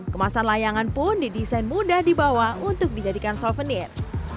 kemasan layangan pun didesain mudah dibawa untuk dijadikan souvenir